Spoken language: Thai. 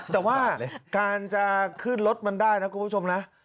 แต่ว่าการจะขึ้นรถมันได้นะคุณผู้ชมนะ